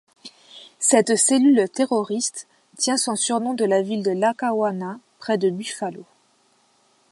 Cette cellule terroriste tient son surnom de la ville de Lackawanna près de Buffalo.